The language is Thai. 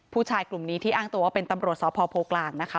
ผู้ชายกลุ่มนี้ที่อ้างตัวว่าเป็นตำรวจสพโพกลางนะคะ